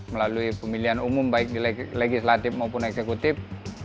melalui pemilihan umum baik di legislatif maupun eksekutif